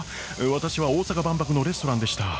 私は大阪万博のレストランでした。